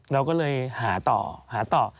เราก็เลยหาต่อหาต่อ